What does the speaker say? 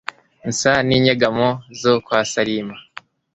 nsa n'inyegamo zo kwa salima